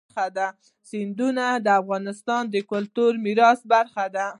سیندونه د افغانستان د کلتوري میراث برخه ده.